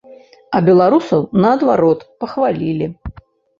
А беларусаў, наадварот, пахвалілі.